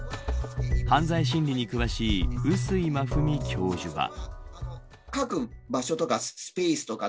犯罪心理に詳しい碓井真史教授は。